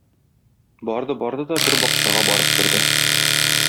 Барды-барды да бер бакчага барып керде.